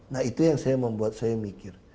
nah itu yang membuat saya mikir